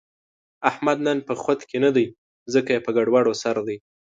احمد نن په خود کې نه دی، ځکه یې په ګډوډو سر دی.